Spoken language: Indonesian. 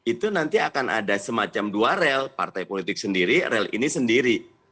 itu nanti akan ada semacam dua rel partai politik sendiri rel ini sendiri